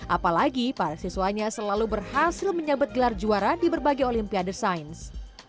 apalagi para siswanya selalu berhasil menyabet gelar juara di berbagai olimpiade sains